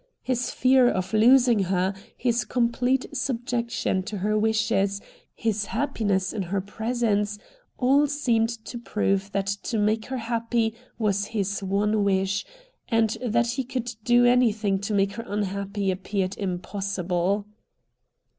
His fear of losing her, his complete subjection to her wishes, his happiness in her presence, all seemed to prove that to make her happy was his one wish, and that he could do anything to make her unhappy appeared impossible.